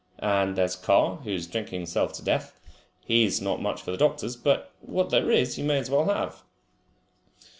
And there's Carr, who is drinking himself to death. He has not much for the doctors, but what there is you may as well have."